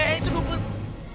hei tunggu tunggu